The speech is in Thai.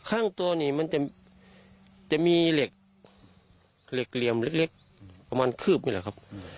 ข้างตัวนี่มันจะมีเหล็กเหลี่ยมเล็กประมาณคืบนี่แหละครับ